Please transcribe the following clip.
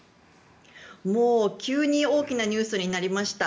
もう急に大きなニュースになりました。